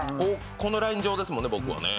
このライン上ですもんね、僕。